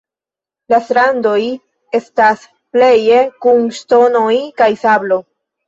La strandoj estas pleje kun ŝtonoj kaj sablo.